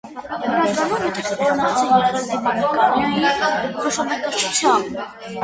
Հիմնականում հետաքրքրված է եղել դիմանկարային լուսանկարչությամբ։